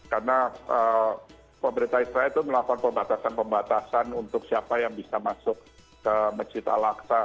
karena pemerintah israel itu melakukan pembatasan pembatasan untuk siapa yang bisa masuk ke medjid al aqsa